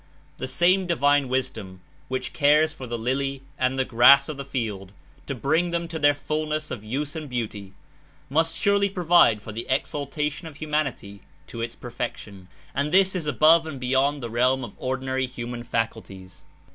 The same divine Wis dom, which cares for the lily and the grass of the field to bring them to their fulness of use and beauty, must surely provide for the exaltation of humanity to its perfection, and this is above and beyond the realm of ordinary human faculties.